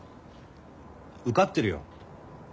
受かってるよ。